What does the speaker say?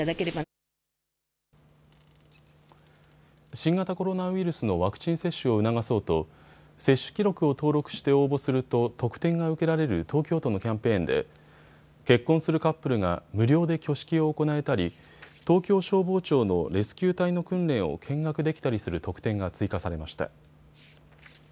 新型コロナウイルスのワクチン接種を促そうと接種記録を登録して応募すると特典が受けられる東京都のキャンペーンで結婚するカップルが無料で挙式を行えたり東京消防庁のレスキュー隊の訓練を見学できたりする特典が追加されました。